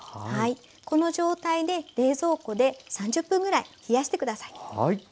この状態で冷蔵庫で３０分ぐらい冷やして下さい。